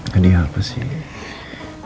hadiah apa sih